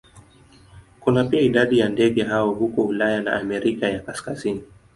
Kuna pia idadi ya ndege hao huko Ulaya na Amerika ya Kaskazini.